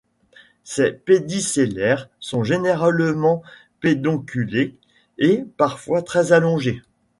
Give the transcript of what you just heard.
Ces pédicellaires sont généralement pédonculés, et parfois très allongés.